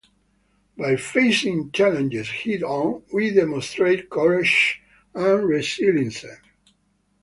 By facing challenges head-on, we demonstrate courage and resilience.